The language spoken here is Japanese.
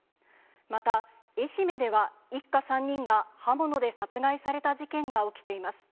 また、愛媛では一家３人が刃物で殺害された事件が起きています。